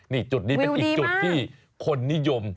ดีเป็นอีกจุดที่คนนิยม